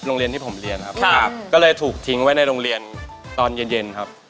โรงเรียนที่ผมเรียนครับก็เลยถูกทิ้งไว้ในโรงเรียนตอนเย็นเย็นครับ